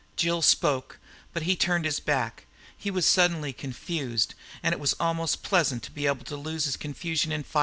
Jill spoke, but he turned his back. He was suddenly confused, and it was almost pleasant to be able to lose his confusion in fighting.